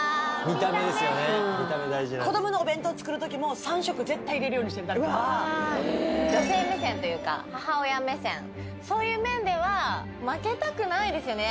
見た目大事子供のお弁当作る時も３色絶対入れるようにしてみたりとか女性目線というか母親目線そういう面では負けたくないですよね